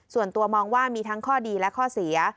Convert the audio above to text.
ส่วนตัวมองว่ามีทั้งข้อดีและข้อเสีย